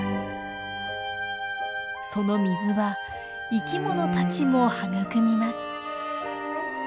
その水は生きものたちも育みます。